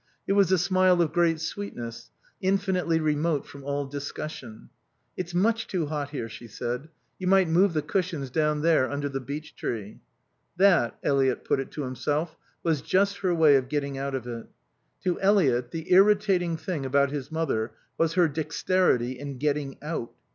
It was a smile of great sweetness, infinitely remote from all discussion. "It's much too hot here," she said. "You might move the cushions down there under the beech tree." That, Eliot put it to himself, was just her way of getting out of it. To Eliot the irritating thing about his mother was her dexterity in getting out.